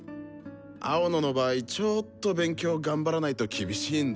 青野の場合ちょっと勉強頑張らないと厳しいんだけどさ。